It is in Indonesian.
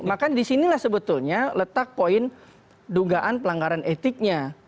maka di sinilah sebetulnya letak poin dugaan pelanggaran etiknya